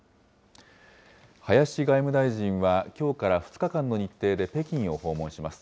林外務大臣は、きょうから２日間の日程で北京を訪問します。